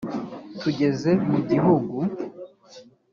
tugeze mu gihugu.